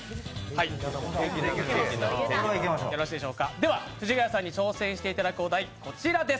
では藤ヶ谷さんに挑戦していただくお題、こちらです。